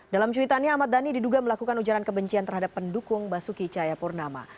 dalam cuitannya ahmad dhani diduga melakukan ujaran kebencian terhadap pendukung basuki cahayapurnama